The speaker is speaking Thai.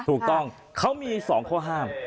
ถูกต้องเขามี๒ข้อห้าม